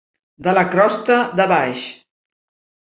De la crosta de baix.